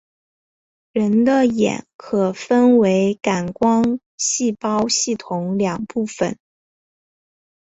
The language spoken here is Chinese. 人的眼可分为感光细胞系统两部分。